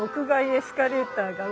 エスカレーター。